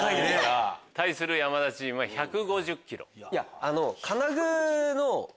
対する山田チームは１５０ｋｇ。